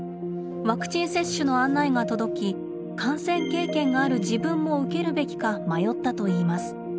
ワクチン接種の案内が届き感染経験がある自分も受けるべきか迷ったといいます。